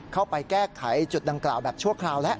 เข้าไปแก้ไขจุดดังกล่าวแบบชั่วคราวแล้ว